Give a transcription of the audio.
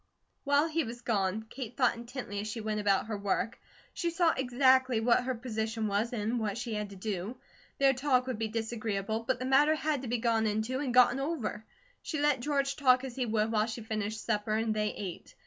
While he was gone, Kate thought intently as she went about her work. She saw exactly what her position was, and what she had to do. Their talk would be disagreeable, but the matter had to gone into and gotten over. She let George talk as he would while she finished supper and they ate.